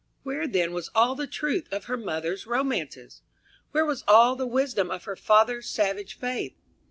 Where then was all the truth of her mother's romances, where was all the wisdom of her father's savage faith?